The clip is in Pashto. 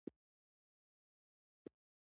راکټ د ټکنالوژۍ معجزه ده